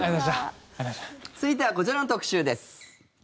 続いてはこちらの特集です。